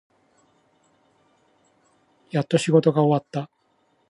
やっと仕事が終わった。